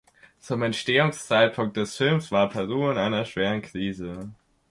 Zum Entstehungszeitpunkt des Films war Peru in einer schweren Krise.